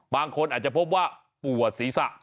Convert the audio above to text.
บางคนอาจจะพบว่าปวดศีรษะ